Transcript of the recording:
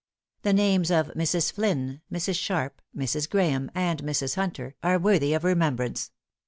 The names of Mrs. Flinn, Mrs. Sharpe, Mrs. Graham, and Mrs. Hunter, are worthy of remembrance.